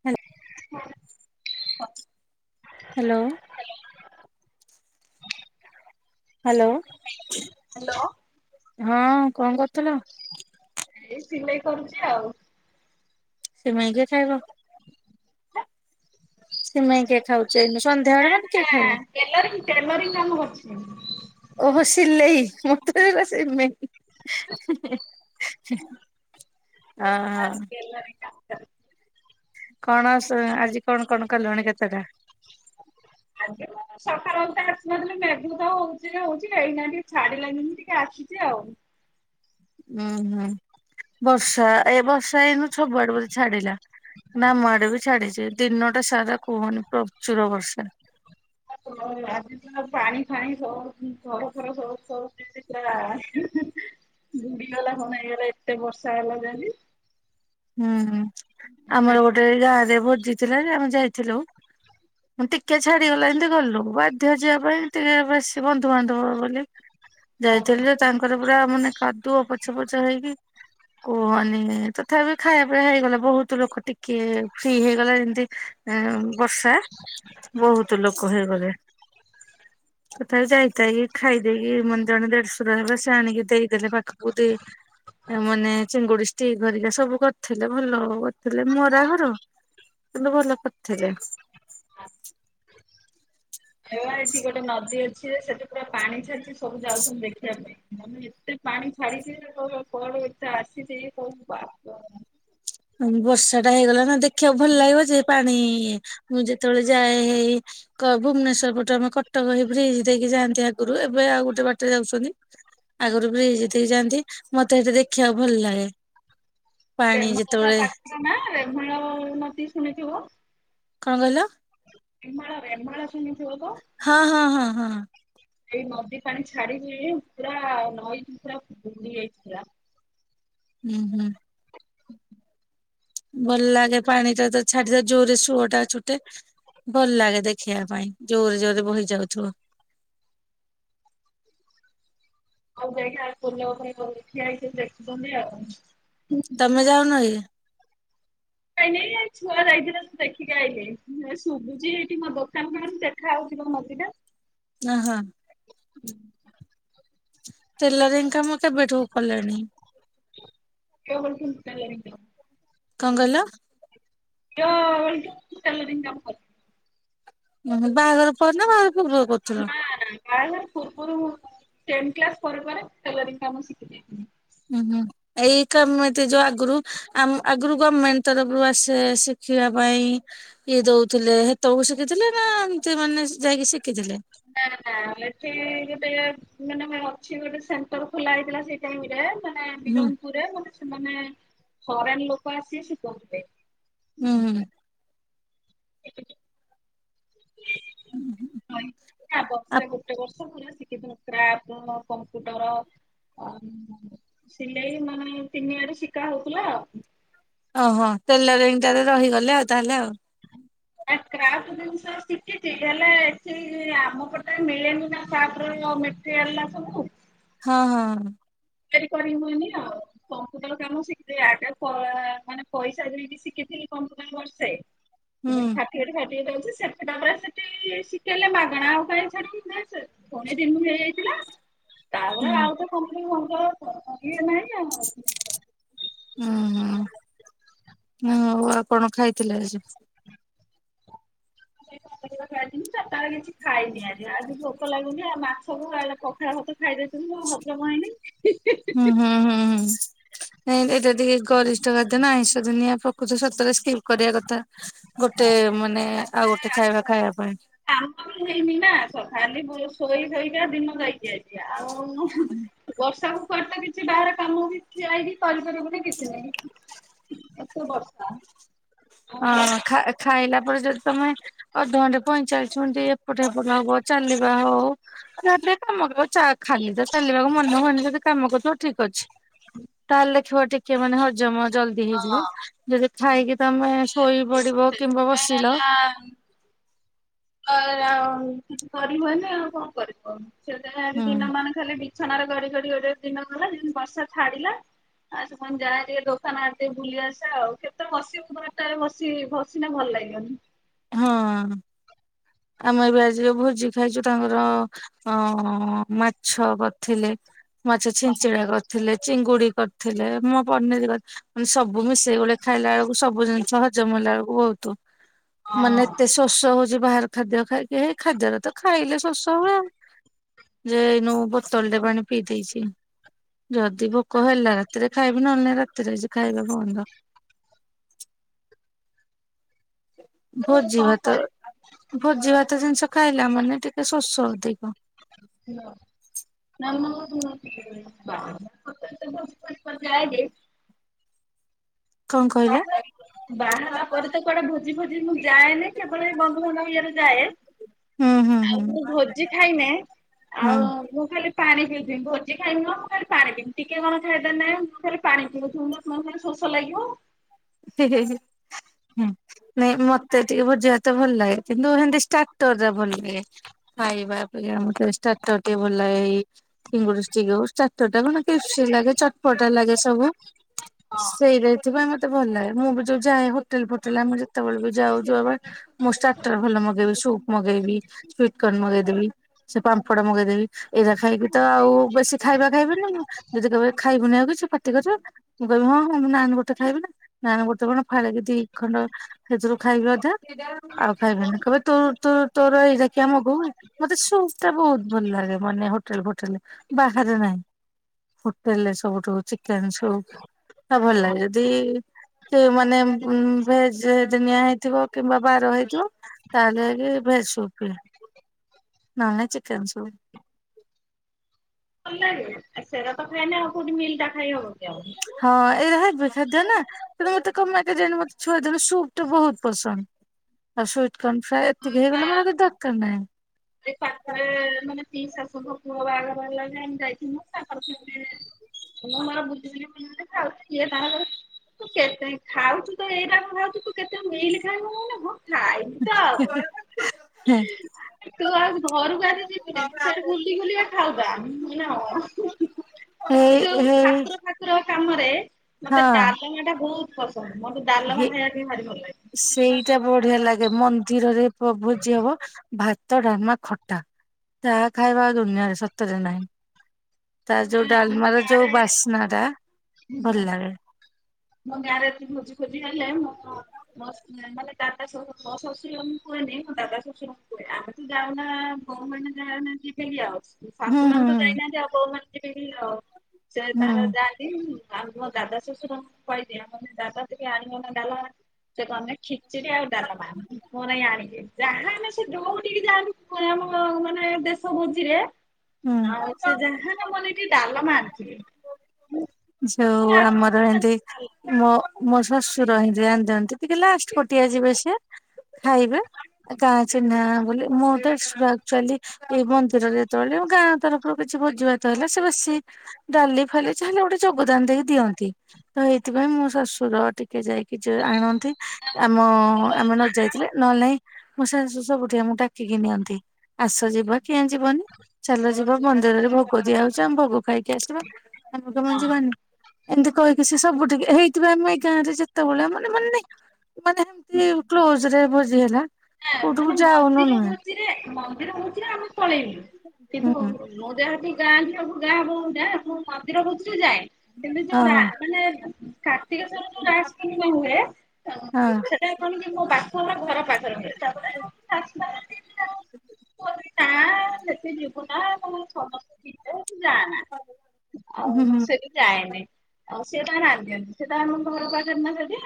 [inaudible] Hello hello hello ହଁ କଣ କରୁଥିଲ? ଏଇ ସିଲେଇ କରୁଛି ଆଉ ସିମେଇ କିଏ ଖାଇବ? ସିମେଇ କିଏ ଖାଉଛି ଏଇନେ ନା ସନ୍ଧ୍ୟାବେଳେ ମାନେ କିଏ ନା ଖାଇବ? ଟେଲରିଂ ଟେଲରିଂ କାମ କରୁଛି ମୁଁ। ଓହୋ ସିଲେଇ ମୋତେ ଶୁଭିଲା ସିମେଇ। ହଁ ହଁ। ବେଲାଭିଟା। କଣ ଆଜି କଣ କଣ କଲୁଣି କେତେ ଟା? ଆଜି ମୁଁ ସକାଳ ବେଳ ଟା ଆସିନଥିଲି ମେଘ ତ ହଉଛି ହଉଛି ଏଇନା ଟିକେ ଛାଡିଲାଣିି ଯେମିତି ମୁଁ ଟିକେ ଆସି ଛି ଆଉ। ଉୁଁ ହୁଁ ବର୍ଷା ଏ ବର୍ଷା ଏଇନୁ ସବୁଆଡେ ବେଧେ ଛାଡିଲା। ନା ଆମ ଆଡ଼େ ବି ଛାଡିଛି ଦିନ ଟା ସାରା କୁହନି ପ୍ରଚୁର ବର୍ଷା। ଆଜି ପାଣି ଫାଣି ସ ଘର ଘର ସବ ସ [inaudible] ବୁଡିଗଲା କଣ ହେଇଗଲା ଏତେ ବର୍ଷା ହେଲା ଯେ ଆଜି। ହୁଁ ହୁଁ ଆମର ଗୋଟେ ଗାଁ ରେ ଭୋଜିଥିଲା ଯେ ଆମେ ଯାଇଥିଲୁ। ଟିକେ ଛାଡିଗଲା ଯେମିତି ଗଲୁ ବାଧ୍ୟ ଯିବା ପାଇଁ ଟିକେ ବେଶୀ ବନ୍ଧୁବାନ୍ଧବ ବୋଲି। ଏଠି ଯାଇଥିଲୁ ଯେ ତାଙ୍କର ପୁରା ମାନେ କାଦୁଅ ପଛ ପଛ ହେଇକି କୁହନି ଏତ ତଥାପି ଖାଇବା ପିଇଆ ହେଇଗଲା ବହୁତ ଲୋକ ଟିକେ ଫ୍ରି ହେଇଗଲା ଯେମତି ବର୍ଷା ବହୁତ ଲୋକ ହେଇଗଲେ। ତଥାପି ଯାଇ ଥାଇକି ଖାଇଦେଇକି ମେର ଜଣେ ଦେଢଶୁର ହେବେ ସେ ଆଣିକି ଦେଇଦେଲେ ପାଖକୁ ଦି ମାନେ ଚିଙ୍ଗୁଡି ଷ୍ଟିକ୍ ଗରିକା ସବୁ କରିଥିଲେ ଭଲ କରିଥିଲେ ମରା ଘର କିନ୍ତୁ ଭଲ କରିଥିଲେ। ଏ ଏଠି ଗୋଟେ ନଦୀ ଅଛି ସେଠି ପୁରା ପାଣି ଛାଡିଛି ସବୁ ଯାଉଥଛନ୍ତିୁ ଦେଖିବା ପାଇଁ। ମାନେ ଏତେ ପାଣି ଛାଡିଛି ଯେ କୋଆଡୁ ଏତେ ଆସିଛି ବାପ। ବର୍ଷା ଟା ହେଇଗଲା ନା ଦେଖିବାକୁ ଭଲ ଲାଗିବ ଯେ ପାଣି ମୁଁ ଯେତେବେଳେ ଯାଏ ହେଇ ଭୁବନେଶ୍ୱର ପଟେ ଆମ କଟକ ହେଇ ବ୍ରିଜ ଦେଇକି ଯାଆନ୍ତି ଆଗରୁ ଏବେ ଆଉ ଗୋଟେ ବାଟରେ ଯାଉଛନ୍ତି। ଆଗରୁ ବ୍ରିଜ ଦେଇକି ଯାଆନ୍ତି ମତେ ସେଠି ଦେଖିବାକୁ ଭଲ ଲାଗେ। ପାଣି ଯେ ପାଖ ନା ଭଲ ନଦି ଶୁଣିଥିବ? [unintelligible] କଣ କହିଲ? ଏମାଳା ଏମାଳା ଶୁତିଥିବ ତ? ହଁ ହଁ ହଁ ହଁ ଏଇ ନଦୀ ପାଣି ଛାଡିକି ପୁରା ନଈ ପୁରା ବୁଡି ଯାଇଥିଲା। ହୁଁ ହୁଁ। [unintelligible] ଭଲ ଲାଗେ ପାଣି ଟା ତ ଛାଡିଦ ଜୋଉରେ ସୁଅ ଟା ଛୁଟେ। ଭଲ ଲାଗେ ଦେଖିବା ପାଇଁ ଜୋର ଜୋରେ ବହି ଯାଉଥିବ। ଆଉ ଦେଖା ଫୁଲ ଏଠିଆ ହେଇକି ଦେଖୁନି ଆଉ [unintelligible] ତମେ ଯାଉନ କି? କାଇଁ ନାଇ ଏ ଛୁଆ ଯାଇଥିଲେ ଦେଖିକି ଆଇଲେ ଶୁଭୁଛି ଏଇଠି ମୋ ଦୋକାନ ପାଖରୁ ଦେଖା ହେଉଛି ନଦି ଟା। ଓହୋ। ହୁଁ। [inaudible] କେବ ଲାଗ [unintelligible] କଣ କହିଲ? ଯୋଉ ଏଇ ଟେଲରିଂ କାମ କରୁଚି। ଓହୋ ବାହାଘର ପରେ ନା ବାହାଘର ପୂର୍ବରୁ କରୁଥିଲ? ନା ନା ବାହାଘର ପୂର୍ବରୁ ମୁଁ ଟେନ୍ କ୍ଲାସ ପରେ ପରେ ଟେଲରିଂ କାମ ଶିଖିଚି। ଓହୋ। ଏଇ କାମ ତ ଯୋଉ ଆଗୁରୁ ଆମ୍ ଆଗୁରୁ ଗମେଣ୍ଟ ତରଫରୁ ଆସେ ଶିଖିବା ପାଇଁ। ଇଏ ଦଉଥିଲେ ହେତବେଳକୁ ଶିଖିଥିଲେ ନା ଏମିତି ମାନେ ଯାଇକି ଶିଖିଥିଲେ? ନା ନା ଏଠି ଗୋଟେ ମାନେ ମ୍ୟାମ ଅଛି ଗୋଟେ ସେଣ୍ଟର ଖୋଲା ହେଇଥିଲା ସେଇ ଟାଇମ୍ ରେ। ମାନେ ହୁଁ ବିରନପୁରରେ ମାନେ ସେମାନେ ଫରେନ ଲୋକ ଆସି ଶିଖଉଥିଲେ। ହୁଁ ହୁଁ। ପରୀକ୍ଷା ଆ ବର୍ଷେ ଗୋଟେ ବର୍ଷ ବର୍ଷ ପୁରା ଶିଖେଇ ଥିଲେ କ୍ରାପ୍ଟଣ କମ୍ପ୍ୟୁଟର ସିଲେଇ ମାନେ ତିନି ଆଡେ ଶିକା ହଉଥିଲା। ଓହୋ ଟେଲରିଙ୍ଗ ଟାରେ ରହିଗଲେ ଆଉ ତାହେଲେ ଆଉ। ଆ କ୍ରାଫ୍ଟ ଜିନିଷ ଶିଖିଚି ହେଲେ ଏଠି ଆମ ପଟେ ମିଳେନି ନା କ୍ରାଫ୍ଟ ର ମେ ତି ହେଲା ସବୁ। ହଁ ହଁ। ତିଆରି କରିହୁଏନି ଆଉ। କମ୍ପୁଟର କାମ ଶିଖିଥିଲି ଆଗେ କ ମାନେ ପଇସା ଦେଇକି ଶିଖିଥିଲି କମ୍ପୁଟର ବର୍ଷେ। ହ ଯୋଉ ସାର୍ଟିଫିକେଟ ଫାର୍ଟିଫିକେଟ ଅଛି ସେଠେଟା ପୁରା ସେଠି ଶିଖେଇଲେ ମାଗେଣା ଆଉ କାଇଁ ଛାଡିବି ନାଇଁ। [unintelligible] ପୁଣି ଏଇ ଦିନିକୁ ହେଇଯାଇଥିଲା ହୁଁ ତାପରେ ଆଉ ତ କମ୍ପୁଟର ଫମ୍ପୁଟର ଇଏ ନାହିଁ ଆଉ। ଓହୋ। ହଁ ହଉ ଆଉ କଣ ଖାଇଥିଲେ ଆଜି? ସେଇ [unintelligible] ବେଳେ ଖାଇଥିଲି ଚାରଟାବେଳେ କିଛି ଖାଇନି ଆଜି ଆଜି ଭୋ କ ଲାଗୁନି ଆଉ ମାଛ କୁ ଆଉ ଏ ପଖାଳ ଭାତ ଖାଇଦେଇଥିଲି ଆଉ ହଜମ ହେଇନି ହି ହି ହି ହି। ଏଁ ଏଇଟା ଟିକେ ଗରିଷ୍ଠ ଖାଦ୍ୟ ନା ଆଇଁଷ ଦୁନିଆ ପ୍ରକୃତ ସତରେ ସ୍କିପ୍ କରିଆ କଥା। ଗୋଟେ ମାନେ ଆଉ ଗୋଟେ ତାପରେ ଆଜି ଖାଇବା ଖାଇଆ ପାଇଁ। କାମ ବି ହେଇନି ନା ସ ଖାଲି ବୁ ଶୋଇ ଶୋଇକା ଦିନ ଯାଇଚି ଆଜି ଆଉ [unintelligible] ହୁ ବର୍ଷା ପକଉଥିଲା କିଛି ବାହାର କାମ ବି ଠିଆ ହେଇ କରିପାରିବେନି କିଛି ନାହିଁ ଏତେ ବର୍ଷା। ଆଉ ହଁ ଖା ଖାଇଲା ପରେ ଯଦି ତମେ ଅଧଘଣ୍ଟେ ପଇଁଚାଳିଶି ମିନିଟ୍ ଏପଟେ ଏପଟେ ହବ ଚାଲିବା ହଉ। ନହେଲେ ନାଇଁ କାମ କ ଆଉ ଛା ଖାଲି ତ ଚାଲିବାକୁ ମନେ ହୁଏନି ଯଦି କାମ କରୁଥିବ ଠିକ୍ ଅଛି। ତାହେଲେ ଦେଖିବ ଟିକେ ମାନେ ହଜମ ଜଲଦି ହଁ ହେଇଯିବ ଯଦି ଖାଇକି ତମେ ଶୋଇ ପଡିବ କିମ୍ବା ବସିଲ ହାଁ। ତ ଏଇଆ ଆଉ କିଛି କରିହୁଏନି ଆଉ କଣ କରିବ ସେଥିପାଇଁ ଆଜି ହୁଁ ଦିନ ମାନ ଖାଲି ବିଛଣାରେ ଗଡି ଗଡି ଗୋଟେ ଦିନ ଗଲା ଯିମତି ବର୍ଷା ଛାଡିଲା ଆଉ ସେଥିପାଇଁ ମୁଁ ଯାହାବି ହେଲେ ହଉ ଦୋକାନ ଆଡେ ଟିକେ ବୁଲି ଆସେ ଆଉ କେତେ ବସିବୁ ଘର ଟାରେ ବସିବି ଭ ସିନା ଭଲ ଲାଗିବନି। ହଁ। ଆମେ ଏବେ ଆଜି ଭୋଜି ଖାଇଛୁ ତାଙ୍କର ଅଁ ମାଛ କରିଥିଲେ ମାଛ ଛିଞ୍ଚେଡା କରିଥିଲେ ଚିଙ୍ଗୁଡି କର ଥିଲେ ମୁଁ ପନିର୍ ଗଛ, ମାନେ ସବୁ ମିଶେଇ ଗଲେ ଖାଇଲା ବେଳକୁ ସବୁ ଜିନିଷ ହଜମ୍ ହେଇଲା ବେଳକୁ ବହୁତୁ, ହଁ। ମାନେ ଏତେ ଶୋଷ ହଉଛି ବାହାର ଖାଦ୍ୟ ଖାଇକି ହେଇ ଖାଦ୍ୟରେ ତ ଖାଇଲେ ଶୋସ ହୁଏ ଆଉ, ଯେ ଏଇନୁ ବୋତଲ ରେ ପାଣି ପିଇ ଦେଇଛି, ଯଦି ଭୋକ ହେଲା ରାତିରେ ଖାଇବି ନହେଲେ ରାତିରେ ଆଜି ଖାଇବା ବନ୍ଦ, ଆଉ ଭୋଜି କଣ ଭାତ କରେ ଭୋଜି ଭାତ ଜିନିଷ ଖାଇଲା ମାନେ ଟିକେ ଶୋଷ ଅଧିକ, ନ [unintelligible] ପଞ୍ଚା [unintelligible] କଁ କହିଲା? ବାହାହେଲା ପରେ ତ କୁଆଡ଼େ ଭୋଜି ଫୋଜି ମୁଁ ଯାଏନି କେବଳ ବି ବନ୍ଧୁବାନ୍ଧବ ଇଏରେ ଯାଏ, ହୁଁ ହୁଁ ହୁଁ ଆଉ ମୁ ଭୋଜି ଖାଇମି ହୁଁ ଆଉ, ମୁଁ ଖାଲି ପାଣି ପିଉଥିବି ଭୋଜି ଖାଇବିଁ ମୁଁ ଖାଲି ପାଣି ପିବି ଟିକେ କଣ ଖାଇଦେଇ ନାହିଁ ମୁଁ ଖାଲି ପାଣି ପିଉଥିବ, ମୋତେ ଶୋଷ ଲାଗିବ, ହେ-ହେ-ହେ ହୁଁ ନାଇଁ ମତେ ଟିକେ ଭୋଜିବା ଭାତ ଭଲ ଲାଗେ କିନ୍ତୁ ଏମିତିସ୍ ଷ୍ଟାକ୍ଟର ରେ ଭଲ ହୁଏ ଖାଇବା ଅପେକ୍ଷିଆ ପାଇଁ ଆମ ଚେଷ୍ଟା ତର୍ ଟେ ଭଲ ଲାଗେ ଏଇ ଚିଙ୍ଗୁଡି଼ ଚିଙ୍ଖ୍ ହୁଁ ଚାରଟା କ କି ଲାଗେ ଚଟପଟା ଲାଗେ ସବୁ, ସେଇ ଯାଇଥିପାଇଁ ମତ୍ ମତେ ଭଲ୍ ଲାଗେ ମୁଁ ବି ଯୋଉ ଯାଏ ହୋଟେଲ ଫୋଟେଲ ଆମେ ଯେତେବେଳେ ବି ଯାଉ ଯୁଆବେଳେ, ମୁଁ ଷ୍ଟାକ୍ଟର ଭଲ ମଗେଇବି ସୁପ୍ ମଗେଇବି ସୁଇଟ୍ କୋନ୍ ମଗେଇଦେବି, ସେ ପାମ୍ପଡ ମଗେଇଦେବି ଏଇଟା ଖାଇକି ତ ଆଉ ବେଶୀ ଖାଇବା ଖାଇବେନି ମୁଁ, ଯଦି କେବଳ ଖାଇବୁନି ଆକୁ କିଛି ପାଟି କରିବ ମୁଁ କହିବି ହଁ ମୁଁ ନାଁ ଗୋଟେ ଖାଇବି ନା, ନା ବର୍ତେ କଣ ଫାଳେ ଦିଇ ଖଣ୍ଡ, ସେଥିରୁ ଖାଇବି ଅଧା ଆଉ ଖାଇବେନି କହିବ ତୁ-ତୁ ତୋର ଏଇଟାକିଆମଗହୁ, ମତେ ସୁପ୍ ଟା ବହୁତ୍ ଭଲ ଲାଗେ ମାନେ ହୋଟେଲ ଫୋଟେଲ ବାହାରେ ନାଇଁ, ହୋଟେଲ ରେ ସବୁଠୁ ଚିକେନ୍ ସୁପ୍ ଟା ଭଲ ଲାଗେ ଯଦି, ସେ ମାନେ ଭ ଦିନିଆ ହେଇଥିବ କିମ୍ବା ବାର ହେଇଥିବ, ତାଲିଗି ଭେଜ୍ ସୁପି ନାନେ ଚିକେନ୍ ସୁପ୍, ଭଲ ଲାଗେ ଆ ସେର ତ ଖାଇନ୍ ହବ କେଉଠି ମିଲ୍ ଟା ଖାଇ ହବ କି ଆଉ? ହଁ ଏଇଟା ହେଇ ବେ ଖାଦ୍ୟ ନା, ତୁ ମତେ କମେଇ ଦେନି ମତେ ଛୁଆ ଦେନୁ ସୁପ୍ ଟା ତ ବହୁତୂ ପସନ୍ଦ, ଆଉ ସୁଇଟ୍ କୋନ୍ ଫ୍ରା ଏତିକି ହେଇଗଲା ମତେ ଆଉକିଛି ଦରକାର ନାହିଁ, [unintelligible] ସେ ମାନେ ଫିଶ୍ [unintelligible] ପୁଅ ବାହାଘର ହେଲାଣି ଆମେ ଯାଇଥିଲୁ ତାପ, ହ ଆମର ବୁଦ୍ଧି ଜ୍ରୀ ମାନଉଥଏ ତାର, ତୁ କେତେ ଖାଉଛୁ ତ ଏଇଟା କ ଖାଉଛୁ ତୁ କେତେ ମିିଲି ଖାଇବୁ ନା କଁ, ଖାଇବି ତ ଆଉ ହେଁ ତୁ ଆଉ ଘରକୁ ଆସି ଯିବ୍ ସେ-ସେ ବୁଲି ବୁଲିକା ଖାଉଥା ମୁ ହେଇ ନା ହଁ ହେଇ ଏ ଯୋଉ ହେଇ ଠାକୁର, ଠାକୁର କାମରେ ମତେ ହଁ ଡାଲମିଆ ଟା ବହୁତ୍ ପସନ୍ଦ ମୋତେ ହେ ଡାଲମା ଖାଇବା ପାଇଁ ଭାରି ଭଲ ଲାଗେ, ସେଇଟା ବଢ଼ିଆ ଲାଗେ ମନ୍ଦିରରେ ପ ଭୋଜି ହବ, ଭାତ ଡାମା ଖଟା ତା ଖାଇବା ଆଉ ଦୁନିଆରେ ସତରେ ନାହିଁ, ତା ଯୋଉ ଆମ ଡାଲମାର ଯୋଉ ଗାଁରେ ବାସ୍ନା ଟା ଭଲ୍ ଲାଗେ, ମୋ ଗାଁରେ ଯଦି ଭୋଜି ଫୋଜି ହେଲେ ମୋର ମସ୍ତ, ମାନେ ଦାଦା ଶଶୁର ଶ୍ୱଶୁରାମଙ୍କୁ କୁହନ୍ତି ମୋ ଦାଦାତ ଶ୍ୱଶୁରଙ୍କୁ କୁହେ ଆମେ ତୁ ଯାଉ ନା, କଁ ମାନେ ଯାଉ ନାହାନ୍ତି ଯିବେ ଆଉ, ହୁଁ ଶାଶୁ ହୁଁ ନନ୍ ତ ହୁଁ। ଯାଇନାହାନ୍ତି ଆଉ ବୋଉ ମାନ ଯିବି ଆଉ ସେ ହୁଁ ତାର ଯାଇ, ଆଉ ମୋ ଦାଦା ଶଶୁର କହିଦିଏ ଦାଦା ଟିକେ ଆଣିବନା ଡ଼ାଲମା ସେ ଗଲେ ଖିଚିଡ଼ି ଆଉ ଡାଲମା ମୋ ନାଗି ଆଣିଥିବେ। ଯାହାହେଲେ ସେ ଯଉଠିକି ଯାଆନ୍ତୁ [unintelligible] ମାନେ ଦେଶ ଭୋଜିରେ, ହୁଁ ଆଉ ସେ ଯାହାହେଲେ ମୋ ନାଗି ଡାଲମା ଆଣିଥିବେ। ଯୋଉ ଆମର ଏନ୍ତି ମୋ ମୋ ଶ୍ୱଶୁର ହିନ୍ତି ଆଣି ଦିଅନ୍ତି। ଟିକେ ଲାଷ୍ଟ୍ ପଟିଆ ଯିବେ ସିଏ ଖାଇବେ ଆ କା ଚିହ୍ନା ବୋଲି ମୋ ଦେଢଶୁର ଆକ୍ଚୁଆଲି ଏଇ ମନ୍ଦିରରେ ଯେତେବେଳେ ଗାଁ ତରଫରୁ କିଛି ଭୋଜି ଭାତ ହେଲା ସେ ବେଶୀ ଡାଲି ଫାଲି ଯାହାହେଲେ ଗୋଟେ ଯୋଗଦାନ ଦେଇ ଦିଅନ୍ତି। ତ ଏଇଥିପାଇଁ ମୋ ଶ୍ୱଶୁର ଟିକେ ଯାଇକି ଯ ଆଣ ନ୍ତି। ଆମ ଆମେ ନ ଯାଇଥିଲେ ନହେଲେ ନାହିଁ ମୋ ଶାଶୁ ସବୁଠିଁ ଆମକୁ ଡାକିକି ନିଅନ୍ତି, ଆସ ଯିବ କିଆଁ ଯିବନି‌। ଚାଲ ଯିବ ମନ୍ଦିରରେ ଭୋଗ ଦିଆ ହଉଚି ଆମେ ଭୋଗ ଖାଇକି ଆସିବା। ଆମେ କଣ ପାଇଁ ହଁ ନା, ଯିବନି ଏମତି କହିକି ସେ ସବୁ ଠିକି ହେଇଥିପାଇଁ ମୁଁ ଏଇ ଗାଁ ରେ ଯେତେବେଳେ ମାନେ ମାନେ ନାଇଁ ମାନେ ହେମତି ରେ କ୍ଲୋଜ୍ ରେ ଭୋଜି ହେଲା କୋଉଠିକୁ ମାନେ ଯାଉନୁ ମନ୍ଦିର ନୁହେଁ ଭୋଜିରେ ମନ୍ଦିର ଭୋଜିରେ ଆମେ ପଳେଇଲୁ। କିନ୍ତୁ ହୁଁ ମୁଁ ଯେହେତୁ ଗାଁ ଝିଅ କୁ ଗାଁ ବୋହୁ ନା ମୁଁ ମନ୍ଦିର ଭୋଜିରେ ଯାଏ। କିନ୍ତୁ ଯୋଉ ରା ହଁ ମାନେ କାର୍ତ୍ତିକଶ୍ଵର ଯୋଉ ରାଇସ କାନିକା ହୁଏ ହଁ ସେ ସେ କଣ କି ମୋ ବାପଘର ଘର ପାଖରେ ହୁଏ। ତାପରେ [unintelligible] ନା ତମର ସମସ୍ତେ ଥିବେ ତୁ ଯାଆନା। ଆଉ ହୁଁ ହୁଁ ସେଠି ଯାଏନି। ଆଉ ସିଏ ତାଙ୍କର ଆଣିଦିଅନ୍ତି। ସିଏ ତାଙ୍କର ଘର ପାଖରେ ନା ସେଠି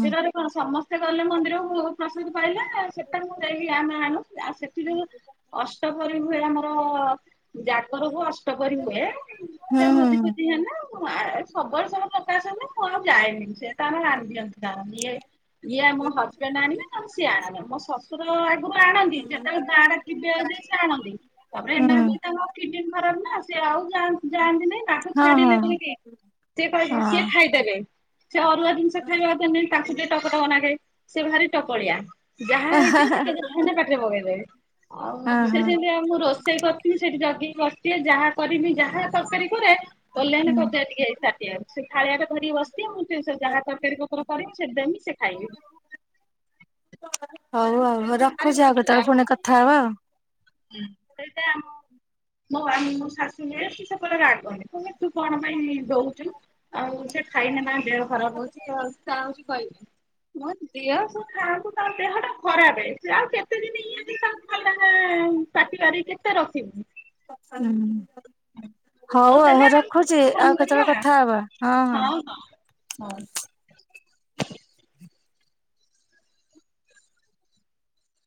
ହୁଁ। କଣ ସମସ୍ତେ ଗଲେ ମନ୍ଦିରକୁ ଭୋଗ ପ୍ରସାଦ ପାଇଲେ ସେଟା ମୁଁ ଯାଇକି ଆମେ ଆଣୁ। ଆଉ ସେଠି ଯୋଉ ଅଷ୍ଟପ୍ରହରୀ ହୁଏ ଆମର ଜାଗର କୁ ଅସ୍ ଅଷ୍ଟପ୍ରହରୀ ହୁଏ ସେ ହୁଁ ହୁଁ ଭୋଜି ଫୋଜି ହୁଁ ହେଲା ସବୁବେଳେ ସବୁ [unintelligible] ହେଲେ ମୁଁ ଆଉ ଯାଏନି। ସେ ତା ନାଗି ଆଣି ଦିଅନ୍ତି ତାର। ଇଏ ଇଏ ମୋ ହଜବେଣ୍ଡ୍ ଆଣିବେ, ନହେଲେ ସିଏ ଆଣିବେ। ମୋ ଶଶୁ ଶଶୁର ଆଗରୁ ଆଣନ୍ତି, ଯେତେବେଳେ ଗାଁ ରେ ଥିବେ ଯଦି ସେ ଆଣନ୍ତି। ତାପରେ ଏଇନା ବି ହୁଁ। ତାଙ୍କ କିଡିନ୍ ଖରାପ ନା ସେ ଆଉ ଯା ଯାଆନ୍ତି ନାଇଁ। ତାକୁ ହଁ ଛାଡିଲେ ହଁ ବୋଲି କେ ହଁ ସିଏ ଖାଇ ଦେବେ। ସେ ଅରୁଆ ଜିନିଷ ଖାଇବା ଏତେ ନାଇଁ। ତାଙ୍କୁ ଟିକେ ଟକଟକ ଲାଗେ ସେ ଭାରି ଟକଳିଆ। ଯାହା ହେଇଥିବ ଟିକେ ଖାଇକିନା ପାଟିରେ ପକେଇଦେବେ। ଆଉ ହଁ ସେ ହଁ ସେନ୍ତିଆ। ମୁଁ ରୋଷେଇ କରିଥିବି ସେଇଠି ଜଗିକି ବସିଥିବେ ଯାହା କରମି ଯାହା ତରକାରୀ କରେ କଲ୍ୟାଣି ହୁଁ। ତରକାରି ଟିକେ ଏଇ ତାଟିଆ କୁ, ସେ ଥାଳିଆଟେ ଧରିକି ବସିଥିବେ ମୁଁ ଯାହା ତରକାରୀ ପତ୍ରର କରିମି ସେଠି ଦେମି ସେ ଖାଇବେ। ହଉ ଆଉ ହଉ ରଖୁଚି ଆଉ କେତେବେଳେ ପୁଣି କଥା ହବା। ସେଇଟା ଆମ ମୋ ଆ ଶାଶୁ ଯିଏ ସେପଟେ ରାଗନ୍ତି କହିବେ ତୁ କଣ ପାଇଁ ଦଉଚୁ। ଆଉ ସେ ଖାଇନେ ତାଙ୍କ ଦେହ ଖରାପ ହଉଚି ଇଏ ହଉଚି ତା ହଉଚି କହିବେ। ମୁଁ କହିବି ଦିଅ ସେ ଖାଆନ୍ତୁ ତାଙ୍କ ଦେହ ଟା ଖରାପେ, ସେ ଆଉ କେତେ ଦିନ ଇଏଯେ ତାଙ୍କୁ ଖାଇବାକୁ [unintelligible] ପାଟିବାରିକି କେତେ ରଖିବୁ। [unintelligible] ହଉ ଆଉ ହଉ ତାହେଲେ ରଖୁଚି କେତେବେଳେ ଆଉ ଫୋନ କରିବା କେତେବେଳେ ହଁ କଥା ହବା ହଁ ହଁ। ହଉ।